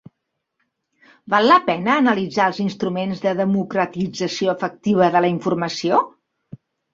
Val la pena analitzar els instruments de democratització efectiva de la informació?